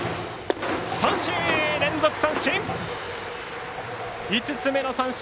三振、連続三振！